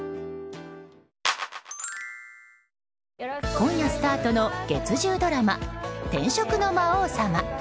今夜スタートの月１０ドラマ「転職の魔王様」。